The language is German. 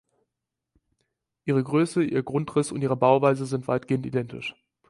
Ihre Größe, ihr Grundriss und ihre Bauweise sind weitgehend identisch.